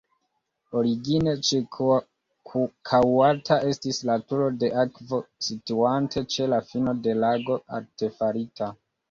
Origine ĉirkaŭata estis la turo de akvo, situante ĉe la fino de lago artefarita.